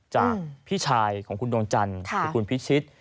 จากพี่ชายของคุณดวงจันทร์คือคุณพิชิต